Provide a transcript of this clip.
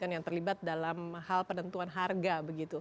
yang terlibat dalam hal penentuan harga